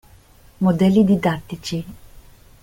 Modelli didattici.